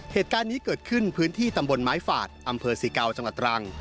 เหตุการณ์นี้เกิดขึ้นพื้นที่ตำบลไม้ฝาดอำเภอศรีเกาจังหวัดตรัง